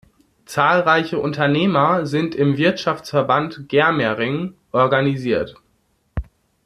Zahlreiche Unternehmer sind im "Wirtschaftsverband Germering" organisiert.